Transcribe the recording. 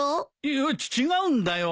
いやちっ違うんだよ。